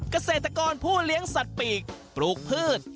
เกษตรกรผู้เลี้ยงสัตว์ปีกปลูกพืช